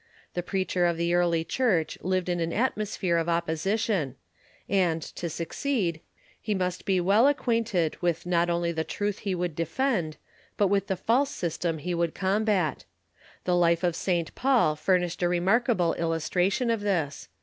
The preacher of the Early Church lived in an atmosphere of opposition, and, to succeed, he must be well acquainted with not only the truth he would defend, but with the false system he would combat. The life of St. Paul furnished a remarkable ilhtstration of this.